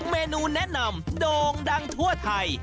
เมนูแนะนำโด่งดังทั่วไทย